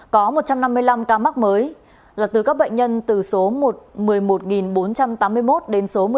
có một trăm năm mươi năm ca mắc mới là từ các bệnh nhân từ số một mươi một bốn trăm tám mươi một đến số một mươi một sáu trăm ba mươi năm